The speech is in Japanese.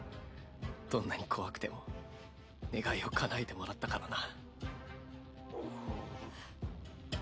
どんなに怖くても願いをかなえてもらったからな。